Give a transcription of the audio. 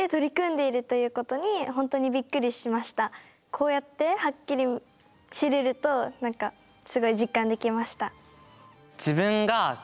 こうやってはっきり知れると何かすごい実感できました。